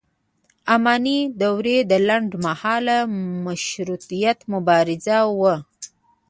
اماني دوره د لنډ مهاله مشروطیت مبارزې وه.